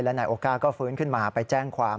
นายโอก้าก็ฟื้นขึ้นมาไปแจ้งความ